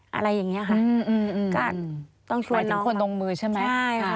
ไม่ถึงคนตรงมือใช่ไหม